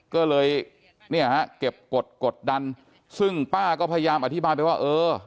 ก็เลยเก็บกฎดันซึ่งป้าก็พยายามอธิบายไปว่าเออ